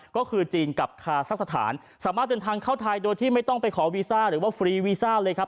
ก็คือจีนกับคาซักสถานสามารถเดินทางเข้าไทยโดยที่ไม่ต้องไปขอวีซ่าหรือว่าฟรีวีซ่าเลยครับ